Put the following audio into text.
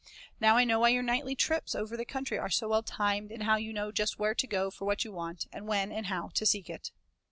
Now I know why your nightly trips over the country are so well timed, and how you know just where to go for what you want, and when and how to seek it."